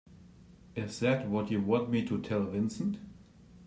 Is that what you want me to tell Vincent?